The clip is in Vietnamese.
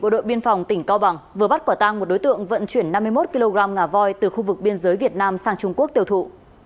đội biên phòng tỉnh cao bằng vừa bắt quả tang một đối tượng vận chuyển năm mươi một kg ngà voi từ khu vực biên giới việt nam sang trung quốc tiêu thụ